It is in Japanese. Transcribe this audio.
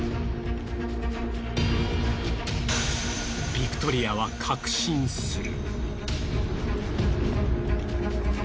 ビクトリアは確信する。